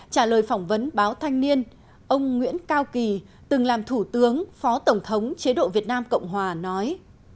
trả lời phỏng vấn báo thanh niên ông nguyễn cao kỳ từng làm thủ tướng phó tổng thống chế độ việt nam cộng hòa nói